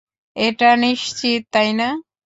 এটা নিশ্চিত, তাই না?